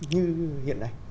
như hiện nay